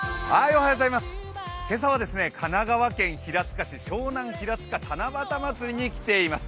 今朝は神奈川県平塚市湘南ひらつか七夕まつりに来ています。